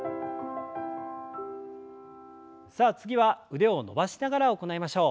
さあ次は腕を伸ばしながら行いましょう。